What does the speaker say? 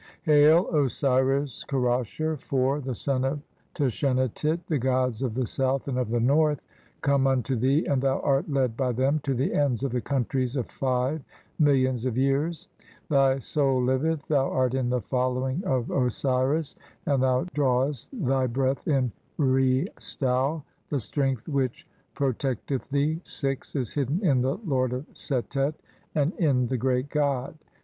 "[Hail] Osiris Kerasher, (4) the son of Tashenatit, "the gods of the South and of the North come unto "thee, and thou art led by them to the ends of the "countries of (5) millions of years. Thy soul liveth, "thou art in the following of Osiris, and thou draw "est thy breath in Re stau ; the strength which pro "tecteth thee (6) is hidden in the lord of Setet and "[in] the great god.